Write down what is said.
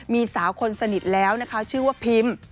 มีสาวคนสนิทแล้วชื่อว่าพิมพ์